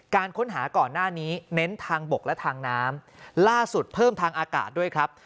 การค้นหาก่อนหน้านี้เน้นทางบกและทางน้ำล่าสุดเพิ่มทางอากาศด้วยครับ